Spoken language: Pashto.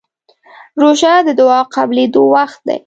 روژه د دعا قبولېدو وخت دی.